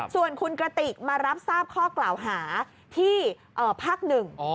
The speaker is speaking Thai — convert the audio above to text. ส่วนคุณกระติกมารับทราบข้อกล่าวหาที่ภาคหนึ่ง